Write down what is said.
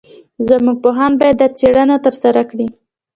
زموږ پوهان باید دا څېړنه ترسره کړي.